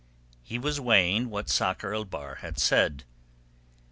He was weighing what Sakr el Bahr had said.